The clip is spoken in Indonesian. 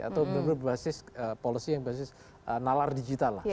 atau benar benar berbasis policy yang berbasis nalar digital